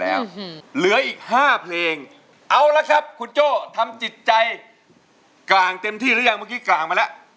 เอาอีกหน่อยไหม